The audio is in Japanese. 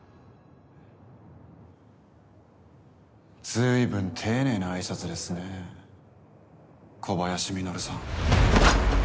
随分丁寧な挨拶ですね小林実さん。